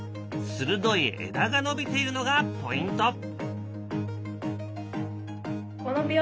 鋭い枝が伸びているのがポイント。